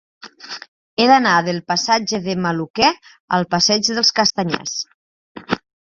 He d'anar del passatge de Maluquer al passeig dels Castanyers.